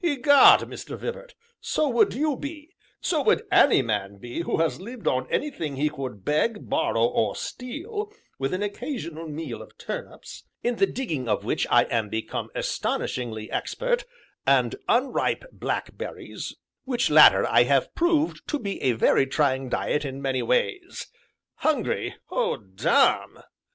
"Egad, Mr. Vibart! so would you be so would any man be who has lived on anything he could beg, borrow, or steal, with an occasional meal of turnips in the digging of which I am become astonishingly expert and unripe blackberries, which latter I have proved to be a very trying diet in many ways hungry, oh, damme!"